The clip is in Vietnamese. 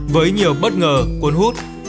với nhiều bất ngờ cuốn hút